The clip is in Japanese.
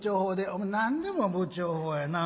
「お前何でも不調法やな」。